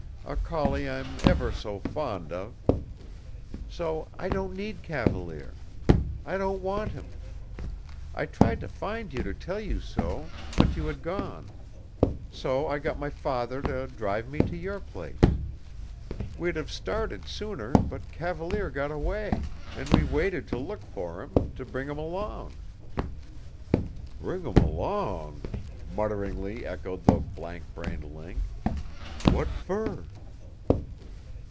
A collie I'm ever so fond of. So I don't need Cavalier. I don't want him. I tried to find you to tell you so. But you had gone. So I got my father to drive me to your place. We'd have started sooner, but Cavalier got away. And we waited to look for him to bring him along." "Bring him along?" mutteringly echoed the blankbrained Link. "What fer?"